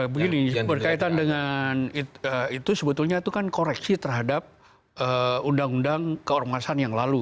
begini berkaitan dengan itu sebetulnya itu kan koreksi terhadap undang undang keormasan yang lalu